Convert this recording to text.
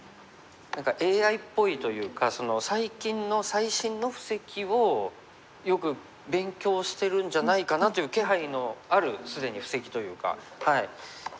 何かＡＩっぽいというか最近の最新の布石をよく勉強してるんじゃないかなという気配のあるすでに布石というか。